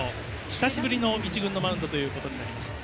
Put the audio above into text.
久しぶりの１軍のマウンドとなります。